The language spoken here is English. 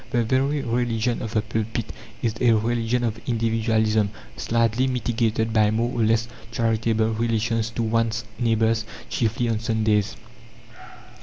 The very religion of the pulpit is a religion of individualism, slightly mitigated by more or less charitable relations to one's neighbours, chiefly on Sundays.